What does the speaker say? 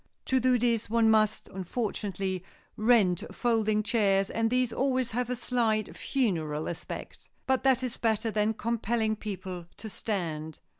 To do this one must, unfortunately, rent folding chairs and these always have a slight funereal aspect. But that is better than compelling people to stand.